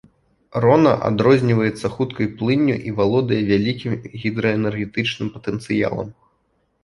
Рона адрозніваецца хуткай плынню і валодае вялікім гідраэнергетычным патэнцыялам.